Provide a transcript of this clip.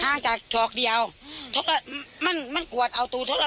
ห้างจากทองเดียวมันมันปวดเอาตัว